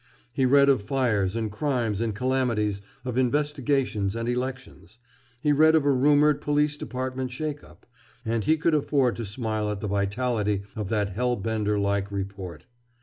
He read of fires and crimes and calamities, of investigations and elections. He read of a rumored Police Department shake up, and he could afford to smile at the vitality of that hellbender like report.